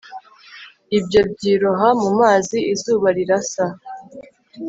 Ibyo byiroha mu mazi izuba rirasa